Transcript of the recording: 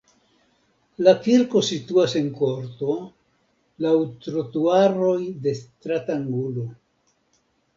La kirko situas en korto laŭ trotuaroj de stratangulo.